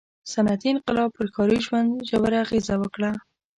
• صنعتي انقلاب پر ښاري ژوند ژوره اغېزه وکړه.